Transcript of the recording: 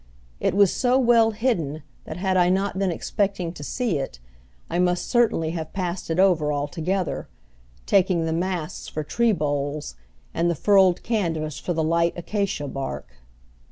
It was so well hidden that had I not been expecting to see it, I must certainly have passed it over altogether, taking the masts for tree boles, and the furled canvas for the light acacia bark.